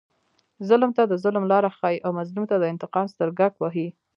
ظلم ته د ظلم لاره ښیي او مظلوم ته د انتقام سترګک وهي.